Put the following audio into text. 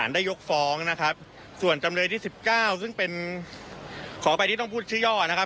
ได้ยกฟ้องนะครับส่วนจำเลยที่๑๙ซึ่งเป็นขออภัยที่ต้องพูดชื่อย่อนะครับ